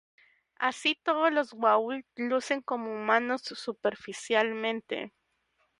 Así, todos lo Goa'uld lucen como humanos superficialmente.